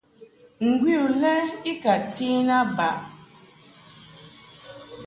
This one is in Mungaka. Ngwi u lɛ i ka ten a baʼ.